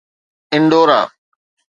Andaura